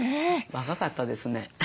若かったですね。